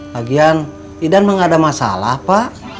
lagian gidan mah gak ada masalah pak